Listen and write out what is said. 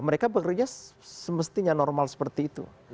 mereka bekerja semestinya normal seperti itu